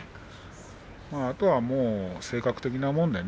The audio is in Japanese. あとは性格的なものです。